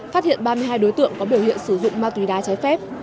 phát hiện ba mươi hai đối tượng có biểu hiện sử dụng ma túy đá trái phép